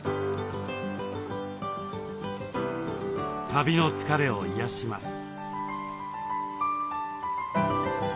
旅の疲れを癒やします。